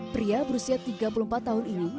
pria berusia tiga puluh empat tahun ini